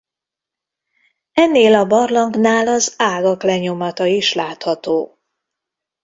Ennél a barlangnál az ágak lenyomata is látható.